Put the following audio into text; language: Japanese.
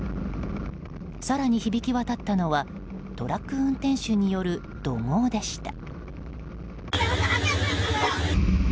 更に響き渡ったのはトラック運転手による怒号でした。